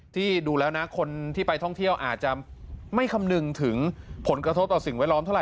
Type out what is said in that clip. ดูแล้วนะคนที่ไปท่องเที่ยวอาจจะไม่คำนึงถึงผลกระทบต่อสิ่งแวดล้อมเท่าไ